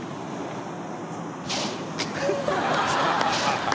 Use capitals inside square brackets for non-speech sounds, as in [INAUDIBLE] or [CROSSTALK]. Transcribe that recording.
ハハハ [LAUGHS]